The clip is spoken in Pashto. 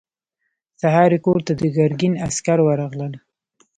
سهار يې کور ته د ګرګين عسکر ورغلل.